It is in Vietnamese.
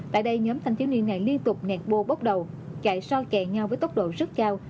tại đây nhóm thanh thiếu niên này liên tục nẹt bô bóc đầu chạy so kẹ nhau với tốc độ rất cao